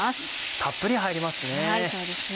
たっぷり入りますね。